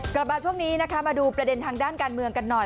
กลับมาช่วงนี้นะคะมาดูประเด็นทางด้านการเมืองกันหน่อย